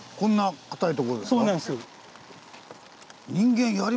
そうなんです。